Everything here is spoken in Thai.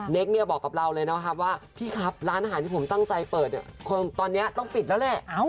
เนี่ยบอกกับเราเลยนะครับว่าพี่ครับร้านอาหารที่ผมตั้งใจเปิดเนี่ยตอนนี้ต้องปิดแล้วแหละ